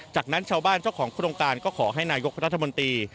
จากนั้นชาวบ้านเจ้าของโครงการก็ขอให้นายกรัฐมนตรี